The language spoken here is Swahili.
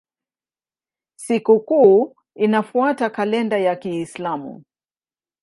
Sikukuu inafuata kalenda ya Kiislamu.